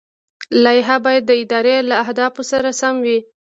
لایحه باید د ادارې له اهدافو سره سمه وي.